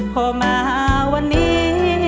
พอมาวันนี้